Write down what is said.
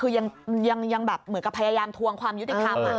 คือยังแบบเหมือนกับพยายามทวงความยุติธรรม